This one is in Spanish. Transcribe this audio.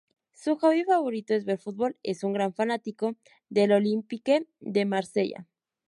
Su hobby favorito es ver fútbol, es un gran fanático del Olympique de Marsella.